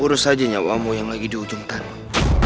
urus aja nyawa kamu yang lagi di ujung tanuh